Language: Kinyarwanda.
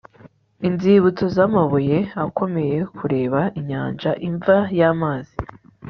inzibutso z'amabuye akomeyekureba inyanja, imva y'amazi